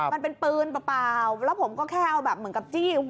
มันเป็นปืนเปล่าแล้วผมก็แค่เอาแบบเหมือนกับจี้